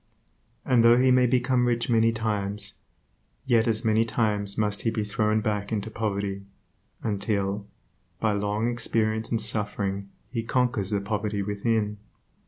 And though he become rich many times, yet as many times must he be thrown back into poverty, until, by long experience and suffering he conquers the poverty within.